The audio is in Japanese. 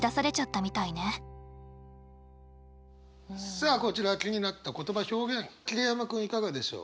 さあこちら気になった言葉表現桐山君いかがでしょう。